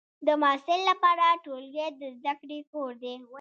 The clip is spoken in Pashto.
د محصل لپاره ټولګی د زده کړې کور دی.